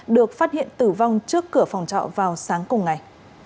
được phát hiện tử vong trước cửa phòng trọ vào sáng cùng ngày